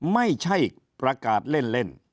ไม่ใช่ประกาศเล่น